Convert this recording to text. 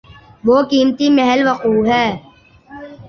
وہ قیمتی محل وقوع ہے۔